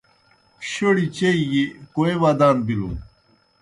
شوڑیْ چیئی گیْ کوئے ودان بِلُن